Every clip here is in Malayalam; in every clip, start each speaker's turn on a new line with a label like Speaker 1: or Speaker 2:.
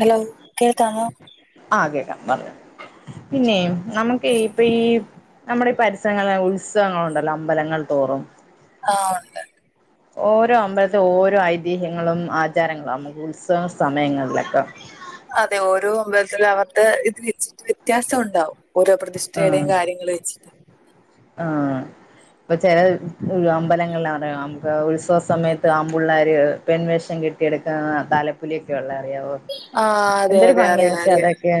Speaker 1: ഹലോ കേൾക്കാമോ
Speaker 2: ആ കേക്കാം പറഞ്ഞോ പിന്നെ നമുക്ക് ഇപ്പെ ഈ നമ്മുടെ ഈ പരിസരങ്ങളെ ഉത്സവങ്ങള് ഉണ്ടല്ലോ അമ്പലങ്ങൾ തോറും
Speaker 1: ആ ഒണ്
Speaker 2: ഓരോ അമ്പലത്തി ഓരോ ഐതിഹ്യങ്ങളും ആചാരങ്ങളുംഅമ്മക്ക് ഉത്സവ സമയങ്ങളിലൊക്കെ
Speaker 1: അതെ ഓരോ അമ്പലത്തിലു അവർടെ ഇത് വെച്ചിട്ട് വ്യത്യാസം ഉണ്ടാവും ഓരോ പ്രതിഷ്ഠടെ
Speaker 2: ആഹ്
Speaker 1: കാര്യങ്ങൾ വെച്ചിട്ട്
Speaker 2: ആഹ് ഇപ്പൊ ചെലത് ഈ അമ്പലങ്ങളാറിയോ നമുക്ക് ഉത്സവ സമയത്ത് ആമ്പുള്ളര് പെൺവേഷം കെട്ടിയെടുക്കാ തലപ്പുലിയൊക്കെ ഉള്ള അറിയാവോ
Speaker 1: ആഹ് അതെ
Speaker 2: എന്തൊരു
Speaker 1: അതെ
Speaker 2: ഭംഗിയ
Speaker 1: അറിയാം
Speaker 2: പക്ഷേ
Speaker 1: അറിയാം
Speaker 2: അതൊക്കെയാ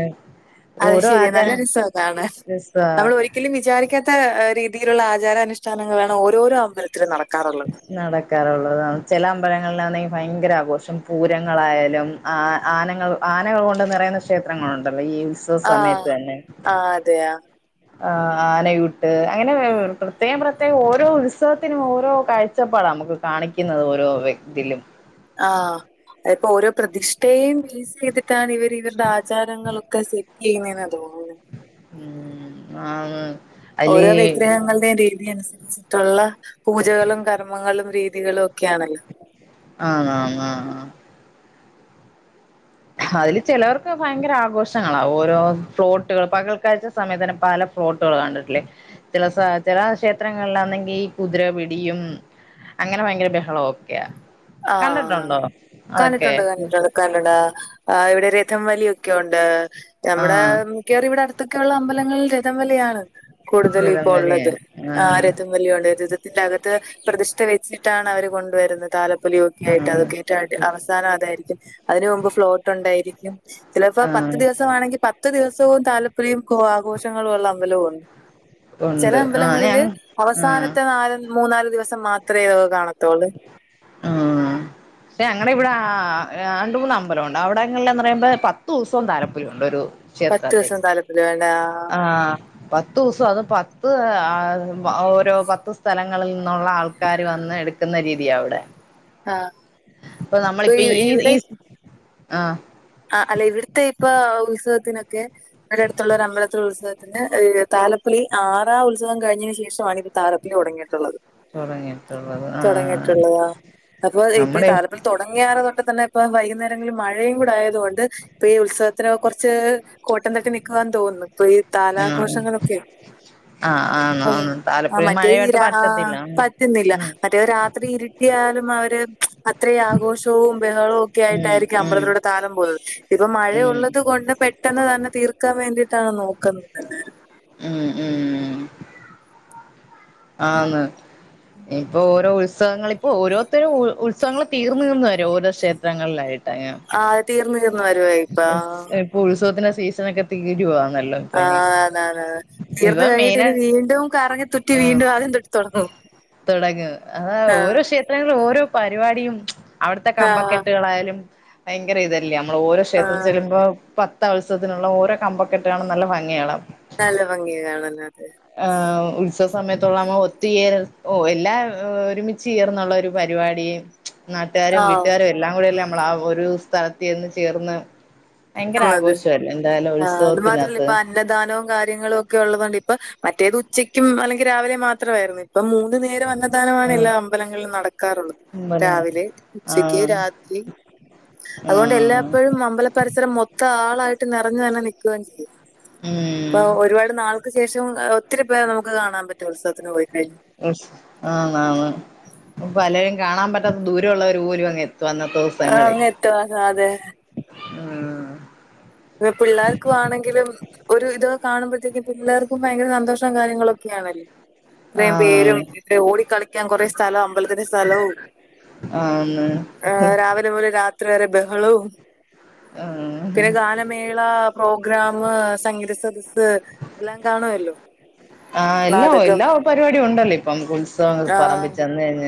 Speaker 2: ഓരോ ആചാര
Speaker 1: രസവ കാണാൻ
Speaker 2: രസാ
Speaker 1: നമ്മൾ ഒരിക്കലും വിചാരിക്കാത്ത ഏ രീതിലുള്ള ആചാരാനുഷ്ഠാനങ്ങളാണ് ഓരോരോ അമ്പലത്തിലും നടക്കാറുള്ളത്
Speaker 2: നടക്കാറുള്ളതണ് ചില അമ്പലങ്ങളിലാന്നെ ഭയങ്കര ആഘോഷം പൂരങ്ങളായാലും ആ ആനങ്ങൾ ആനകൾ കൊണ്ട് നിറയുന്ന ക്ഷേത്രങ്ങളുണ്ടല്ലോ ഈ ഉത്സവ സമയത്ത് തന്നെ
Speaker 1: ആ അതെയാ
Speaker 2: ആ ആനയൂട്ട് അങ്ങനെ പെ പ്രത്യേകം പ്രത്യേകം ഓരോ ഉത്സവത്തിനും ഓരോ കാഴ്ചപ്പാടാ നമുക്ക് കാണിക്കുന്നത് ഓരോ വ്യക്തിയിലും
Speaker 1: ആഹ് ഇപ്പോ ഓരോ പ്രതിഷ്ഠേയും ഫെയ്സ് ചെയ്തിട്ടാണ് ചെയ്തിട്ടാണ് ഇവര് ഇവർടെ ആചാരങ്ങളൊക്കെ സെറ്റ് ചെയ്യുന്നെന്ന തോ
Speaker 2: ഉം ആന്ന് അതില്
Speaker 1: ഓരോ വിഗ്രഹങ്ങളുടെയും രീതിയാണ് അനുസരി ട്ടോള്ള പൂജകളും, കർമ്മങ്ങളും, രീതികളും ഒക്കെയാണല്ലോ
Speaker 2: അന്നന്നു ആഹ് ആഹ് അതില് ചിലവർക്ക് ഭയങ്കര ആഘോഷങ്ങളാവും ഓരോ ഫ്ലോട്ടുകൾ പകൽക്കഴ്ച്ച സമയത്ത് തന്നെ പല ഫ്ലോട്ടുകൾ കണ്ടിട്ടില്ലേ ചില സ ചില ക്ഷേത്രങ്ങളിലാന്നെങ്കി കുതിര പിടിയും അങ്ങനെ ഭയങ്കര ബഹളം ഒക്കെയ
Speaker 1: ആ
Speaker 2: കണ്ടിട്ടുണ്ടോ അതൊക്കെ
Speaker 1: കന്നഡ ഇവിടെ രഥം വലിയൊക്കെ ഉണ്ട് നമ്മുടെ
Speaker 2: ആഹ്
Speaker 1: മിക്കവാറും ഇവിടെ അടുത്തൊക്കെള്ള അമ്പലങ്ങളിൽ രഥംവലിയാണ് കൂടുതൽ
Speaker 2: രഥം
Speaker 1: ഇപ്പോ
Speaker 2: വലി
Speaker 1: ഉള്ളത് ആ
Speaker 2: ആഹ്
Speaker 1: രഥം വെല്യൊണ്ട് രതത്തിന്റെകത്ത് പ്രതിഷ്ഠ വെച്ചിട്ടാണ് അവര് കൊണ്ടുവരുന്നത് താലപ്പൊലി ഒക്കെ ആയിട്ട്
Speaker 2: ആഹ്
Speaker 1: അതൊക്കെ റ്റയിട്ട് അവസാനം അതായിരിക്കും അതിന് മുമ്പ് ഫ്ലോട്ട് ഉണ്ടായിരിക്കും ചിലപ്പോ പത്ത്
Speaker 2: ആഹ്
Speaker 1: ദിവസമാണെങ്കിൽ പത്തു ദിവസവും താലപൊലിയും കോ ആഘോഷങ്ങളും ഉള്ള അമ്പലവും ഉണ്ട് ചില
Speaker 2: ഉണ്ട് ആഹ്
Speaker 1: അമ്പലങ്ങളില്
Speaker 2: ഞ ആഹ്
Speaker 1: അവസാനത്തെ നാല് മൂന്നാല് ദിവസം മാത്ര ഇതൊക്കെ കാണത്തോള്ളൂ
Speaker 2: ആഹ് ആഹ് പക്ഷേ ഞങ്ങടെ ഇവിടെ ആഹ് ആഹ് രണ്ട് മൂന്ന് അമ്പലംഒണ്ട് അവിടെങ്ങളിൽ എന്ന് പറയുമ്പോ പത്തു ദിവസോം താലപ്പൊലി ഉണ്ട് ഒരു
Speaker 1: പത്ത്
Speaker 2: ക്ഷേത്രത്തി
Speaker 1: ദിവസം താലപ്പൊലി വേണ്ട
Speaker 2: ആഹ്. പത്തൂസം അത് പത്ത് ആഹ് ഓരോ പത്ത് സ്ഥലങ്ങളിൽ നിന്നുള്ള ആൾക്കാര് വന്ന് എട് ക്കുന്ന രീതിയാ അവിടെ
Speaker 1: ആ
Speaker 2: ഇപ്പ
Speaker 1: ഇപ്പൊ
Speaker 2: നമ്മളിപ്പീ ഈസ് ആഹ്
Speaker 1: ആഹ് അല്ലെ ഇവിടത്തെ ഇപ്പോ ഉത്സവത്തിനൊക്കെ രടുത്തുള്ള ഒരു അമ്പലത്തിൽ ഉത്സവത്തിന് ഏഹ് താലപ്പൊലി ആറാ ഉത്സവം കഴിഞ്ഞെനു ശേഷാവണിത് തലപ്പൊലി തോടങ്ങിടുള്ളത്
Speaker 2: തുടങ്ങിയിട്ടുള്ളത് ആഹ്
Speaker 1: തൊടങ്ങിട്ടുള്ളതാ ആഹ് അപ്പൊ ഇപ്പ ഈ
Speaker 2: നമ്മുടെ
Speaker 1: താലപ്പൊലി തൊ നങ്ങാറ് തൊട്ട് തന്നെ ഇപ്പോ വൈകുന്നരങ്ങളിൽ മഴയും കൂടെ ആയെ തോണ്ട് ഇപ്പൊ ഈ ഉത്സവത്തിന് കു കൊറ്ച്ച് കോട്ടം തട്ടി നിക്കുവാന്ന് തോന്നുന്ന് ഇപ്പൊയീ
Speaker 2: ആഹ്
Speaker 1: താലാഘോഷങ്ങളൊക്കെ
Speaker 2: ആഹ് ആന്ന്
Speaker 1: അ്
Speaker 2: ആന്ന്
Speaker 1: ആഹ്
Speaker 2: താലപ്പൊലി മഴയായിട്ട്
Speaker 1: മറ്റേഞ്ഞിരാ
Speaker 2: പറ്റത്തില്ല
Speaker 1: പറ്റുന്നില്ല
Speaker 2: ഉം
Speaker 1: മറ്റേ രാത്രി ഇരുട്ടി ട്ടിയാലും അവര് അത്രേ ആഘോഷവും ബഹളവും ഒക്കെ
Speaker 2: ഉം
Speaker 1: ആയിട്ടായിരിക്കും
Speaker 2: ഉം
Speaker 1: അമ്പലത്തിലൂടെ താലം ഇപ്പൊ
Speaker 2: ഉം
Speaker 1: മഴയുള്ളത് കൊണ്ട് പെട്ടെന്ന് തന്നെ തീർക്കാൻ വേണ്ടിട്ടാണ് നോക്കുന്നത്.
Speaker 2: ആഹ് ആഹ് ആന്ന്. ഇപോരോ ഉത്സവങ്ങളി ഇപ്പോരുത്തരും ഉത്സവങ്ങൾ തീർന്ന് നിന്ന് വര ഓരോ ക്ഷേത്രങ്ങളിലായിട്ടയാ.
Speaker 1: ആഹ് തീർന്ന് തീർന്ന് വരുവായിപ്പ ആഹ്.
Speaker 2: ഇപ്പൊ ത്സവത്തിന്റെ സീസണൊക്കെ തീരുവാണല്ലോ.
Speaker 1: ആഹ് താതാതേ തീർന്നുകഴിഞ്ഞിട്ട്
Speaker 2: മെയിന
Speaker 1: ഇനി നീണ്ടും കറങ്ങിത്തുറ്റി വീണ്ടും ആദ്യം തൊട്ട് തൊട്ങ്ങും.
Speaker 2: തുടങ്ങ് അതാ ഓരോ ക്ഷേത്രങ്ങളും ഓരോ പരിപാടിയും. അവിട്ത്തെ
Speaker 1: ആ.
Speaker 2: കമ്പക്കെട്ടുകളായാലും ഭയങ്കര ഇതല്ലേ നമ്മൾ ഓരോ
Speaker 1: ആ.
Speaker 2: ക്ഷേത്ര ചെല്ലുമ്പോൾ പ ത്തഉത്സവത്തിനുള്ള ഓരോ കമ്പക്കെട്ട് കാണ നല്ല ഭംഗിയാണ്.
Speaker 1: നല്ല ഭംഗിയ കാണാനത്.
Speaker 2: ആഹ് ഉത്സവ സമയത്തള്ളമ്മ ഒത്തിയേര് ഓഹ് എല്ലാ ഒരുമിച്ചേർന്നുള്ള ഒരു പരിപാടി
Speaker 1: ആ.
Speaker 2: നാട്ടാരും വീട്ടാരൊ എല്ലാം കൂടെയല്ലേ നമ്മളാ ഒരു സ്ഥലത്തെന്ന് ചേർന്ന്. ഭയങ്കര
Speaker 1: ന്നത്.
Speaker 2: ആഘോഷല്ലെ എന്തായാലും
Speaker 1: ആ അത് മാത്രല്ല
Speaker 2: ഉത്സവത്തിനാത്ത്.
Speaker 1: ഇപ്പൊ അന്നദാനവും കാര്യങ്ങളൊക്കെ ഉള്ളതോണ്ട് ഇപ്പൊ മറ്റേത് ഉച്ചക്കും അല്ലെങ്കിൽ രാവിലെ മാത്രമായിരുന്നു ഇപ്പം മൂന്നു നേരോ അന്ന ന്നദാനമാണ്
Speaker 2: ആഹ്
Speaker 1: എല്ലാ അമ്പലങ്ങളിലും നടക്കാറുള്ളത്
Speaker 2: ഇമ്പനെ
Speaker 1: രാവിലെ, ഉച്ചക്ക്,
Speaker 2: ആഹ്
Speaker 1: രാത്രി അതോണ്ട്
Speaker 2: ആഹ്
Speaker 1: എല്ലാഴ്പ്പോഴും അമ്പല പരിസരം മൊത്തം ആളായിട്ട് നെറഞ്ഞു തന്നെ നിൽക്കുകയും ചെയ്യും.
Speaker 2: ഉം
Speaker 1: ഇപ്പൊ ഒരുപാട് നാൾക്ക് ശേഷം ഒത്തിരി പേർ നമുക്ക് കാണാപറ്റും ഉത്സവത്തിന് പോയിക്കഴിഞ്ഞ.
Speaker 2: യെസ് ആണ് ആണ് അപ്പൊ പലരും കാണാ പറ്റാത്ത ദൂരള്ളവര് പോലും അങ് എത്തും അന്നത്തോ
Speaker 1: ആഹ് അങ്ങെത്തു അതാത്.
Speaker 2: ഉം
Speaker 1: ഇ പിള്ളേർക്ക് വാണെങ്കിലും ഒരു ഇത് കാണുമ്പത്തേക്ക് പിള്ളേർക്കും ഭയങ്കര സന്തോഷ കാര്യങ്ങളൊക്കെയാണല്ലേ. ഇത്രേം പേരും
Speaker 2: ആഹ്
Speaker 1: പിന്നെ ഓടിക്കളിക്കാൻ കുറെ സ്ഥലം അമ്പൽത്തിന്റെ സ്ഥലവും.
Speaker 2: ആന്ന്
Speaker 1: തെ പോലെ രാത്രി വരെ ബഹളവും.
Speaker 2: ആഹ്
Speaker 1: ഇത്തിരിക്കാലം മേള പ്രോഗ്രാം സംഗീത സദസ്സ് എല്ലാ കാണുവല്ലോ.
Speaker 2: ആഹ് എല്ലോ എല്ലാ പരിപാടിയുണ്ടല്ലിപ്പം ഉത്സവപറമ്പി
Speaker 1: ആഹ്
Speaker 2: ചെന്നഴിഞ.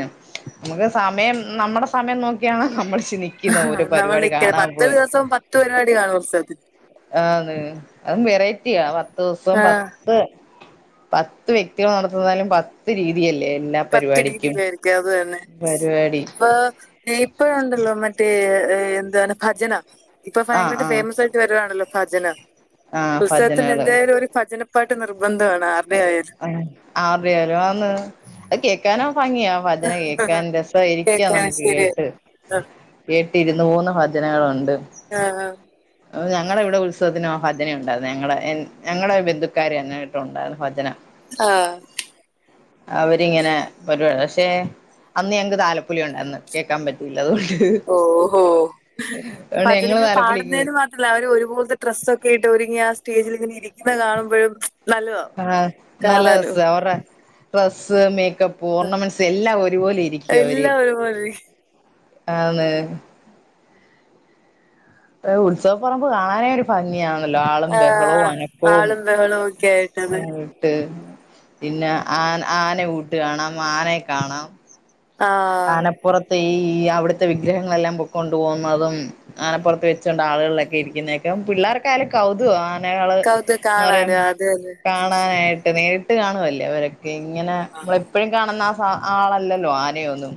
Speaker 2: നമുക്ക് സമയം നമ്മുടെ സമയം നോക്കിയാണ് നമ്മൾ ചിനിക്കും.
Speaker 1: ആഹ് നമ്മൾ നിക്ക പത്തു ദിവസം പത്ത് പരിപാടി കാണും ഉത്സവത്തിന്.
Speaker 2: ആന്ന് അതും വെറൈറ്റിയ പത്ത് ദിവസം
Speaker 1: ആഹ്
Speaker 2: പത്ത് പത്ത് വ്യക്തികൾ നടത്തുന്നതിലും പത്ത് രീതിയല്ലേ എല്ലാം.
Speaker 1: പത്ത് രീതിയിലയിരിക്കും അത് തന്നെ സ്
Speaker 2: പരിപാടി
Speaker 1: പ്പാ തേപ്പഴണ്ടല്ലോ മറ്റേ എന്താണ് ഭജനം ഇപ്പൊ
Speaker 2: ആഹ്
Speaker 1: ഭയങ്കരായിട്ട്
Speaker 2: ആഹ്
Speaker 1: ഫേമസായി വരുവാണല്ലോ ഭജനം
Speaker 2: ആഹ്
Speaker 1: ഉത്സവത്തിന്
Speaker 2: ഭജനകള്
Speaker 1: എന്തേലൊരു ഭജനപ്പാട്ട് നിർബന്ധമാണ് ആരുടെ ആയാലും
Speaker 2: ആ [unintelligible] അത് കേക്കാനോ ഭംഗിയാ ഭജന കേൾക്കാൻ രസമായിരിക്കാം
Speaker 1: കേക്കാൻ
Speaker 2: നമ്മക്ക്
Speaker 1: ശരി
Speaker 2: കേട്ട്
Speaker 1: ആഹ്
Speaker 2: കേട്ട് ഇരുന്ന് പോവുന്ന ഭജനകളുണ്ട്
Speaker 1: അ ആ
Speaker 2: അപ്പൊ ഞങ്ങളെ ഇവിടെ ഉത്സവത്തിന് ഭജന ണ്ടായിര്ന്നു ഞങ്ങടെ എൻ ഞങ്ങടെ ബന്ധുക്കാര് ന്നൊയിട്ട് ണ്ടായിര്ന്നു ഭജന
Speaker 1: ആ
Speaker 2: [inaudible] അവരിങ്ങനെ പരിപ പക്ഷെ അന്ന് ഞങ്ങക്ക് താലപ്പൊലി ഉണ്ടായിന്ന് കേൾക്കാൻ പറ്റില്ല അതുകൊണ്ട്
Speaker 1: ഓഹോ അപ്പൊ
Speaker 2: അതുകൊണ്ട് ഞങ്ങള്
Speaker 1: ഭജനക്ക്
Speaker 2: താലപ്പൊലിക്ക്
Speaker 1: പാടുന്നതിന്
Speaker 2: പോയി
Speaker 1: മാ അവര് ഒരുപോലത്തെ ഡ്രസ്സൊക്കെ ഇട്ട് ഒരുങ്ങി ആ സ്റ്റേജിൽ ഇങ്ങിനിരിക്ക്ന്നെ കാണുമ്പഴും
Speaker 2: ആ നല്ല രസാ ഒറ ഡ്രസ്സ് മേക്കപ്പ് ഓർണമെന്റ്സ് എല്ലാം ഒരുപോലെ ഇരിക്കും അവര്
Speaker 1: എല്ലാ ഒരു പോലെരിക്കും
Speaker 2: ആന്ന് ഏ ഉത്സവപ്പറമ്പ് കാണാനേ ഒരു ഭംഗിയാണല്ലോ ആളും ബഹളവും
Speaker 1: ആഹ്
Speaker 2: അനക്കവും
Speaker 1: ആളും ബഹളവും ഒക്കെ ആയിട്ടത്
Speaker 2: ട്ട് പിന്നെ ആ ആന കൂട്ട് കാണാം ആനെ കാണാം
Speaker 1: ആ
Speaker 2: പുറത്ത് ഈ അവിടത്തെ വിഗ്രഹങ്ങളെല്ലാം പൊക്കൊണ്ടു പോകുന്നതും ആനപ്പൊറത്ത് വെച്ചുകൊണ്ട് ആളുകളിലൊക്കെ ഇരിക്കുന്നതക്കെ പിള്ളേർക്കെയാലും കൗതുകാ നങ്ങള്
Speaker 1: കൗത് കാണാനും
Speaker 2: ന്നറയുമ്പോ
Speaker 1: അത് തന്നെ
Speaker 2: കാണാനായി ട്ട് നേരിട്ട് കാണുവല്ലേ അവരൊക്കെ ഇങ്ങനെ ഇമ്മളെപ്പോഴും കാണുന്ന ആ സ ആളല്ലല്ലോ ആനയൊന്നും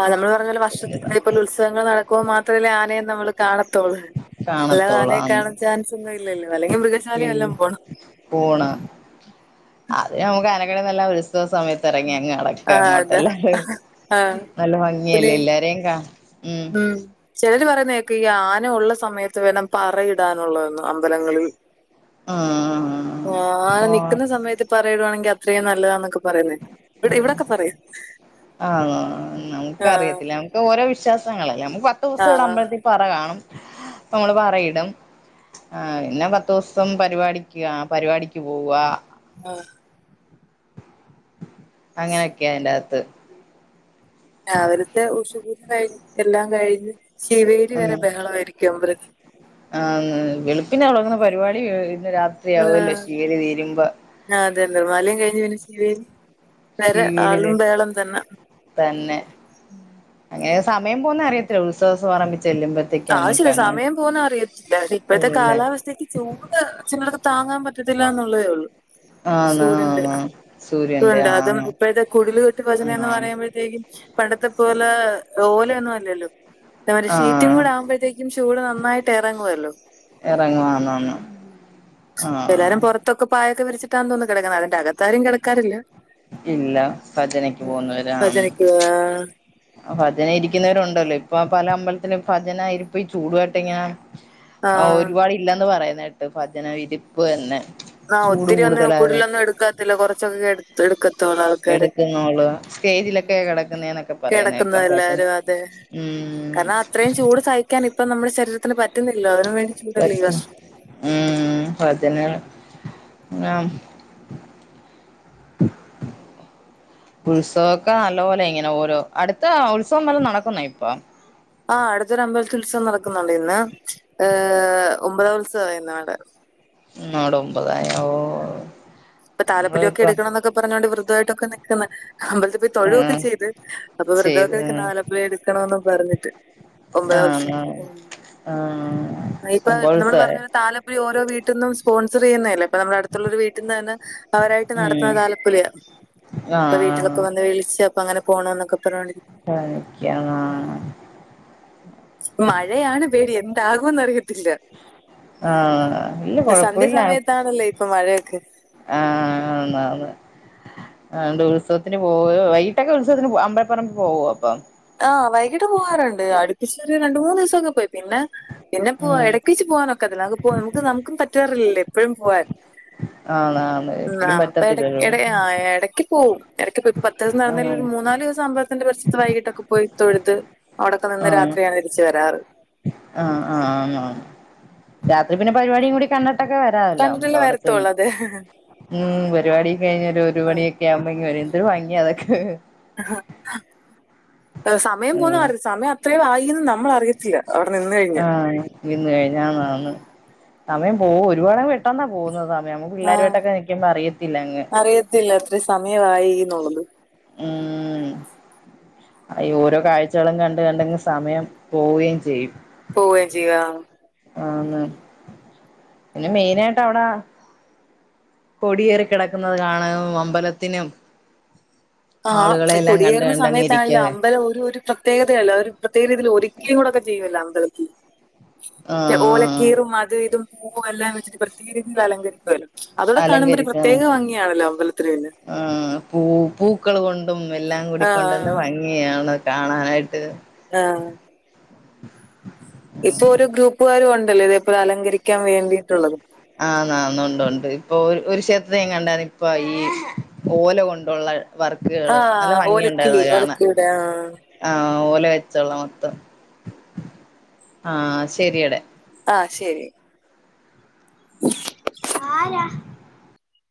Speaker 1: ആ നമ്മള് പറഞ്ഞപൊലെ വർഷത്തി ഇത്പോലെ ഉത്സവങ്ങൾ നടക്കുമോ മാത്രമല്ലേ ആനേ നമ്മള് കാണത്തുള്ളൂ അല്ലാതെ
Speaker 2: കാണത്തോളൂ
Speaker 1: ആനയെ
Speaker 2: അന്ന്
Speaker 1: കാണാൻ ചാൻസ് ഒന്നും ഇല്ലല്ലോ അല്ലെങ്കിൽ മൃഗശാലയും വല്ലോം പോണം
Speaker 2: പൂണ് അതയിലല്ലെ നമുക്ക് അനകളെ നല്ല ഉത്സവ സമയ ഇറങ്ങി അങ്ങ് നടക്ക
Speaker 1: ആഹ്
Speaker 2: അങ്ങോട്ട്
Speaker 1: അതാ
Speaker 2: അല്ല
Speaker 1: ആഹ്
Speaker 2: നല്ല ഭംഗിയല്ലേ
Speaker 1: പിന്നെ
Speaker 2: എല്ലാരേ കാണ
Speaker 1: ഉം ചിലര് പറയുന്നേക്ക ഈ ആന ഉള്ള സമയത്ത് വേണം പറയിടാനുള്ളെ അമ്പലങ്ങളിൽ
Speaker 2: ആ
Speaker 1: ആന
Speaker 2: ഓ
Speaker 1: നിക്കുന്ന സമയത്ത് പറയടുവാണെങ്കിൽ അത്രയും നല്ലതാന്നൊക്കെ പറയുന്നേക്ക വ്ടെ ഇവിടൊക്കെ പറയും
Speaker 2: ആണോ
Speaker 1: ആ
Speaker 2: നമുക്കറിയത്തില്ല നമുക്ക് ഓരോ വിശ്വാസങ്ങളല്ലേ നമ്മക്ക് പത്തൂസം ഇവിടെ
Speaker 1: ആഹ്
Speaker 2: അമ്പലത്തി പറ കാണും അപ്പൊ നമ്മള് പറയിടും ആ പിന്നെ പത്തുസം പരിപാടിക്ക് പരിപാടിക്ക് പോവാ
Speaker 1: ആ
Speaker 2: അങ്ങനെയൊക്കെയ അയിന്റാത്ത്
Speaker 1: ആ അവരത്തെ ഊഷപൂജ കഴിഞ്ഞ് എല്ലാം കഴിഞ്ഞ് ശിവേരി
Speaker 2: ഉം
Speaker 1: വരെ ബഹളമായിരിക്കും അമ്പ
Speaker 2: ആ വെളുപ്പിന് തൊടങ്ങുന്ന പരിപാടി ആ പിന്നെ രാത്രിയാവല്ലോ ശീണി തീരുമ്പോ
Speaker 1: ആ അതെലെ ബാല്യം കഴിഞ്ഞു പിന്നേ [unintelligible]
Speaker 2: ഷിവേൽതൻ തന്നെ അങ്ങനെ സമയം പോന്നെ അറിയത്തില്ല ഉത്സവസം പറമ്പി ചെല്ലുമ്പോ
Speaker 1: ആയിശര്യ സമയം പോന്ന അറിയത്തില്ല ഇപ്പോഴത്തെ
Speaker 2: അതല്ലേ
Speaker 1: കാലാവസ്ഥ ചൂട് ചിലടക്ക് താങ്ങാൻ പറ്റത്തില്ല എന്നുള്ളതേ ഉള്ളൂ
Speaker 2: ആന്ന്
Speaker 1: ചൂടുണ്ട്
Speaker 2: ആന്ന് സൂര്യന്റെ
Speaker 1: ണ്ട്
Speaker 2: ആ
Speaker 1: അതും ഇപ്പോഴത്തെ കുടില് കെട്ട് ഭജനേന്ന്
Speaker 2: ആ
Speaker 1: പറയുമ്പോഴത്തേക്കും പണ്ടത്തെ പോലെ ഓലൊന്നും അല്ലല്ലോ [unintelligible]
Speaker 2: ആ
Speaker 1: ഷീ റ്റും കൂടെ ആവുമ്പഴ്ത്തേക്കും ചൂട് നന്നായിട്ട് ഇറങ്ങുവല്ലോ
Speaker 2: ഇറങ്ങുവാന്നോ ന്ന് ആ
Speaker 1: എല്ലാരം പുറത്തൊക്കെ പായൊക്കെ വിരിച്ചിട്ടന്ന് തൊന്ന് കിടക്ക്ന്നെ അന്റെകത്താരും കടക്കാറില്ല
Speaker 2: ഇല്ല ഭജനക്ക് പോകുന്നവരാന്ന്
Speaker 1: ഭജനയ്ക്ക് ആഹ്
Speaker 2: ഭജന ഇരിക്കുന്നവരുണ്ടല്ലോ ഇപ്പൊ പല അമ്പലത്തിലും ഭജന ഇരിപ്പി ഈ ചൂടുവായിട്ട് എങ്ങന ആ
Speaker 1: ആഹ്
Speaker 2: ഒരുപാട് ഇല്ലന്ന് പറയുന്ന കേട്ട് ഭജന വിരിപ്പ് തന്നെ
Speaker 1: ആഹ്
Speaker 2: ചൂട്
Speaker 1: ഒത്തിരി ഒന്നും
Speaker 2: കൂടുതലായത്
Speaker 1: കുടിലൊന്നും എടുക്കാത്തില്ല കുറച്ചൊക്കെ എടുക്ക ത്തോള് ആൾക്കാര്
Speaker 2: എടുക്കുന്നോള്
Speaker 1: മ്
Speaker 2: സ്റ്റേജിലൊക്കെ കിടക്കുന്നേന്നൊക്കെ പറയുന്ന
Speaker 1: കിടക്കുന്ന
Speaker 2: കേക്കാം ഭജന
Speaker 1: എല്ലാരും അതെ
Speaker 2: ഉം
Speaker 1: കാരണം അത്രയും ചൂട് സഹിക്കാൻ ഇപ്പം നമ്മുടെ ശരീരത്തിന് പറ്റുന്നില്ലല്ലോ അവതിനുവേണ്ടി ചൂടല്ലേ ഈ വർ
Speaker 2: പറ്റും ഉം ഭജന ആഹ് ഉത്സവൊക്കെ നല്ല പോലെ ഇങ്ങനെ ഓരോ അടുത്ത ഉത്സവം വല്ലോം നടക്കുന്ന ഇപ്പം
Speaker 1: ആഹ് അടുത്തൊരു അമ്പലത്തി ഉത്സവം നടക്കുന്നുണ്ട് ഇന്ന് ഏഹ ഒമ്പതാം ഉത്സവമായിരുന്നു അവിടെ
Speaker 2: മ് അവിടൊമ്പതായി ഓ
Speaker 1: ഇപ്പ താലപ്പൊലിയൊക്കെ എടുക്കണം എന്നൊക്കെ പറഞ്ഞുകോണ്ട് വൃതമായിട്ടൊക്കെ നിൽക്കുന്ന് അമ്പലത്തി പോയി തൊഴുവൊക്കെ
Speaker 2: ആഹ്
Speaker 1: ചെയ്ത് അപ്പൊ
Speaker 2: ചെയ്ത്
Speaker 1: വൃതൊക്കെ നിക്ക്‌
Speaker 2: ഉം
Speaker 1: താലപ്പൊലി എടുക്കണന്ന് പറഞ്ഞിട്ട് ഒമ്പതാം
Speaker 2: ആഹ്
Speaker 1: ഉത്സവത്തിനു
Speaker 2: ആഹ്
Speaker 1: ഉം
Speaker 2: ആഹ്
Speaker 1: ഇപ്പൊ
Speaker 2: ഒമ്പത്
Speaker 1: നമ്മള്
Speaker 2: ദിവസായോ
Speaker 1: പറഞ്ഞ പോലെ താലപ്പൊലി ഓരോ വീട്ടിന്നും സ്പോൺസർ ചെയ്യുന്നേല്ലേ അപ്പൊ നമ്മുടെ അടുത്തുള്ളൊരു വീട്ടിന്ന് തന്നെ അവരായിട്ട്
Speaker 2: ഉം
Speaker 1: നടത്തുന്ന താലപ്പൊലിയ അപ്പൊ
Speaker 2: ആഹ്
Speaker 1: വീട്ടിലൊക്കെ വന്ന് വിളിച്ച് അപ്പൊ അങ്ങനെ പോണം എന്നൊക്കെ പറഞ്ഞോണ്ടിരിക്കുന്നു
Speaker 2: [unintelligible] ആഹ്
Speaker 1: മഴയാണ് പേടി എന്താകുംന്ന് അറിയ തില്ല
Speaker 2: ആഹ് ഇല്ല
Speaker 1: സന്ധ്യ
Speaker 2: കൊഴപ്പല്ല
Speaker 1: സമയത്താണല്ലേ ഇപ്പൊ മഴയൊക്കെ
Speaker 2: ആഹ് ആന്നാന്ന് ആണ്ട് ഉത്സവത്തിന് പോവുകയോ വൈകിട്ടൊക്കെ ഉത്സവത്തിന് അമ്പലപ്പറമ്പിൽ പോവോ ഇപ്പം
Speaker 1: ആഹ് വൈകിട്ട് പോകാറുണ്ട് അടുപ്പിച്ചൊരു രണ്ട് മൂന്ന് ദിവസംക്കെ പോയി പിന്നെ പിന്നെ പോവാ
Speaker 2: ഉം
Speaker 1: ഇടക്ക്‌ വെച്ച് പോവാനൊക്കത്തില്ല നമുക്ക് പോ നമുക്കും നമുക്കും പറ്റാറില്ലല്ലോ എപ്പഴും പോവാൻ
Speaker 2: ആന്ന് ആന്ന്
Speaker 1: ന്ന
Speaker 2: എപ്പഴും
Speaker 1: പ്പ എടക്ക്
Speaker 2: പറ്റത്തില്ലല്ലോ
Speaker 1: എട എടക്ക് പോവും നിനക്ക്‌ ഇപ്പോ പത്ത് ദിവസം നടന്നതിൽ
Speaker 2: ആഹ്
Speaker 1: ഒരു മൂന്നാല് ദിവസം അമ്പലത്തിന്റെ പരിസരത്ത് വൈകിട്ടൊക്കെ പോയി തൊഴുത് അവിടൊക്കെ
Speaker 2: ആഹ്
Speaker 1: നിന്ന് രാത്രിയാണ് തിരിച്ചു വരാറ്
Speaker 2: ആഹ് ആഹ് ആന്നാന്ന് രാത്രി പിന്നെ പരിപാടിയും കൂടി കണ്ട ട്ടൊക്കെ വരാവല്ലോ നമുക്ക്
Speaker 1: കണ്ടിട്ടല്ലേ
Speaker 2: അവിടെ ചെന്ന്
Speaker 1: വരത്തുള്ളൂ അത്
Speaker 2: ഉം പരിപാടിയും കഴിഞ് ഒരു ഒരു
Speaker 1: ആ,
Speaker 2: മണിയ യക്കെ ആകുമ്പോ ഇങ്ങുവരാം എന്തൊരു ഭംഗിയ അതൊക്കെ
Speaker 1: സമയം പോന്ന
Speaker 2: ആഹ്
Speaker 1: അറി സമയം അത്ര ആയിന്ന് നമ്മൾ അറിയത്തില്ല അവിടെ നിന്ന് കഴിഞ്ഞ്
Speaker 2: ആഹ് ഇന്ന് കഴിഞ് ആന്നാന്ന് സമയം പോ ഒരുപാടങ് പെട്ടെന്നാ പോകുന്നതാ സ നമുക്ക്‌ പിള്ളേരുമായിട്ടക്ക നിക്കുമ്പ അറിയത്തില്ല അങ്
Speaker 1: ത്തില്ല അത്ര സമയമായി എന്നുള്ളത്
Speaker 2: ആഹ് അയ് ഓരോ കാഴ്ചകളും കണ്ട്കണ്ടങ് സമയം പോവുകയും ചെയ്യും
Speaker 1: പോവേം ചെയ്യും ആഹ്
Speaker 2: ആന്ന് പിന്നെ മെയിനായിട്ട് വിട കൊടിയേറി കിടക്കുന്നത് കാണും അമ്പലത്തിനും
Speaker 1: ആഹ്
Speaker 2: ആളുകളെയെല്ലാം കണ്ട്
Speaker 1: കൊടിയേറുന്ന
Speaker 2: കണ്ടങ്ങ്
Speaker 1: സമയത്ത്
Speaker 2: ഇരിക്ക
Speaker 1: ആണല്ലോ അമ്പലം ഒരു ഒരു പ്ര പ്രത്യേകതയല്ല ഒരു പ്രത്യേക രീതിയിൽ ഒരിക്കിം കൂടൊക്കെ ചെയ്യല്ല അമ്പലത്തി മറ്റേ ഓല
Speaker 2: ആഹ്
Speaker 1: കീറും അത് ഇതും പൂവും എല്ലാം വെച്ചിട്ട് പ്രത്യക രീതിയിൽ അലങ്കരിക്കുമല്ലോ അതൂടെ കാണുമ്പോരു
Speaker 2: അലങ്കരിച്ച
Speaker 1: പ്രത്യേക ഭംഗിയാണല്ലോ അമ്പലത്തിൽന്ന്
Speaker 2: ആഹ് പൂ പൂക്കൾ കൊണ്ടും എല്ലാം കൂടി കൊണ്ടെന്ന്
Speaker 1: ആഹ്
Speaker 2: ഭയ ങ്ങിയാണ് കാണാനായിട്ട്
Speaker 1: ആഹ് ഇപ്പൊ ഒരു ഗ്രൂപ്പുകാരും ഉണ്ടല്ലോ ഇതേപ്പോല അലങ്കരിക്കാൻ വേണ്ടിയിട്ടുള്ളത്
Speaker 2: ആഹ് നന്ന ഉണ്ട് ഉണ്ട്. ഇപ്പൊ ഒരു ക്ഷേത്രത്തി ഞ കണ്ട ഇപ്പൊ ഈ ഓല കൊണ്ടുള്ള വർക്കുകള്. നല്ല
Speaker 1: ആഹ് ഓലക്കിളി
Speaker 2: ഭംഗിയുണ്ടായിരുന്നത് കാണ
Speaker 1: ഓലക്കിളിയുടെ ആഹ്
Speaker 2: ആഹ് ഓല വെച്ച്ള്ള മൊത്തം ആഹ് ശെരിയട
Speaker 1: ആഹ് ശരി
Speaker 2: ആരാ